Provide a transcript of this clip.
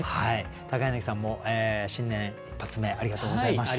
柳さんも新年一発目ありがとうございました。